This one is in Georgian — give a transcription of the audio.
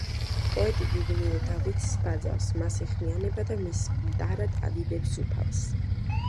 პოეტი ბიბლიურ დავითს ბაძავს, მას ეხმიანება და მის დარად ადიდებს უფალს.